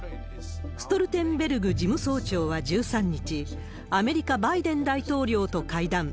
ストルテンベルグ事務総長は１３日、アメリカ、バイデン大統領と会談。